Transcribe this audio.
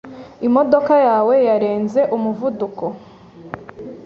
Imodoka yawe yarenze umuvuduko.